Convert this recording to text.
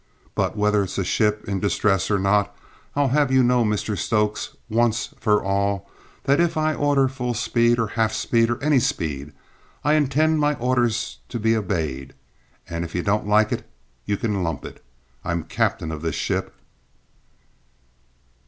"But whether it's a ship in distress or not, I'll have you to know, Mr Stokes, once for all that if I order full speed or half speed or any speed, I intend my orders to be obeyed; and if you don't like it you can lump it. I'm captain of this ship!"